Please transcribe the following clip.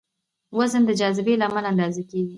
وزن د جاذبې له امله اندازه کېږي.